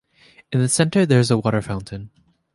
In the center there is a water fountain.